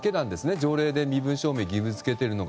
条例で身分証明を義務付けているのは。